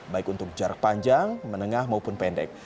baik untuk jarak panjang menengah maupun pendek